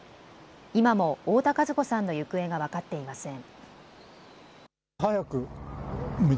今も太田和子さんの行方が分かっていません。